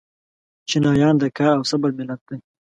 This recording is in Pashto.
چینایان د کار او صبر ملت دی.